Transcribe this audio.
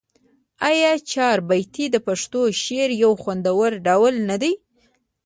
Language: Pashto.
آیا چهاربیتې د پښتو شعر یو خوندور ډول نه دی؟